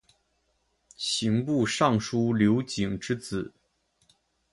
刑部尚书刘璟之子。